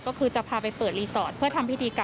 ก็คือจะพาไปเปิดรีสอร์ทเพื่อทำพิธีกรรม